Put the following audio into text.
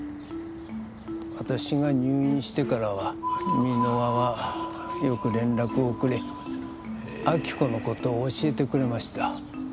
私が入院してからは箕輪はよく連絡をくれ亜希子の事を教えてくれました。